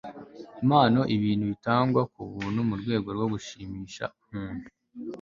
impano ibintu bitangwa ku buntu mu rwego rwo gushimisha umuntu